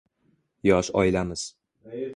Yosh oilamiz.